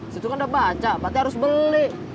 situ kan udah baca berarti harus beli